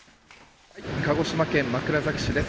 鹿児島県枕崎市です。